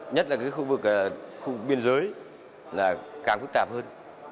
nhất là cái khu vực biên giới là càng phức tạp hơn